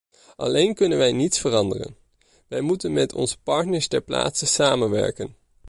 Alleen kunnen wij niets veranderen: wij moeten met onze partners ter plaatse samenwerken.